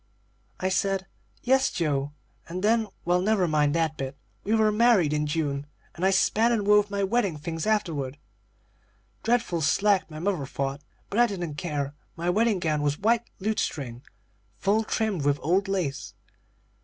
"I said 'Yes, Joe,' and then well, never mind that bit; we were married in June, and I spun and wove my wedding things afterward. Dreadful slack, my mother thought, but I didn't care. My wedding gown was white lutestring, full trimmed with old lace.